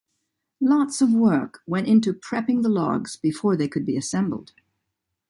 Lots of work went into prepping the logs before they could be assembled.